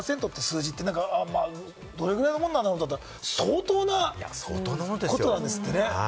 １１．８％っていう数字ってどれぐらいのもんなんだろうって、相当なことなんですってね。